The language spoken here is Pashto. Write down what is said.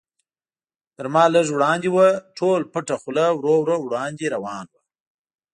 تر ما لږ وړاندې و، ټول پټه خوله ورو ورو وړاندې روان و.